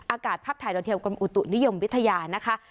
อากาศภัพท์ไถ่โดยเทียบกลมอุตินิยมวิทยานะคะ